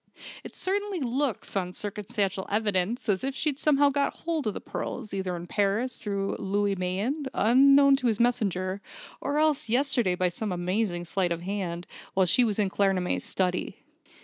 It certainly looks, on circumstantial evidence, as if she'd somehow got hold of the pearls, either in Paris, through Louis Mayen, unknown to his messenger; or else, yesterday by some amazing sleight of hand, while she was in Claremanagh's study.